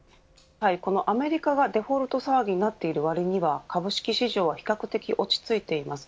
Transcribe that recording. アメリカがデフォルト騒ぎになっている割には株式市場は比較的落ち着いています。